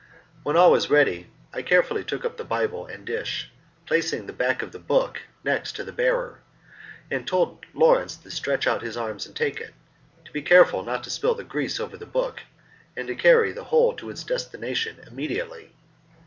When all was ready I carefully took up the Bible and dish, placing the back of the book next to the bearer, and told Lawrence to stretch out his arms and take it, to be careful not to spill the grease over the book, and to carry the whole to its destination immediately.